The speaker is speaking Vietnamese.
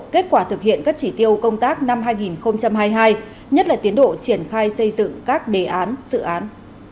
kết quả thực hiện các chỉ tiêu công tác năm hai nghìn hai mươi hai nhất là tiến độ triển khai xây dựng các đề án dự án